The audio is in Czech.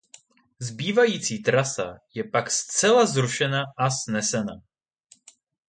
Zbývající trasa je pak zcela zrušena a snesena.